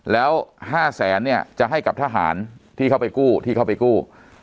แล้ว๕แสนเนี่ยจะให้กับทหารที่เข้าไปกู้ที่เข้าไปกู้